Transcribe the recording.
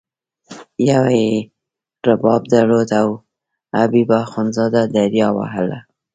یوه یې رباب درلود او حبیب اخندزاده دریا وهله.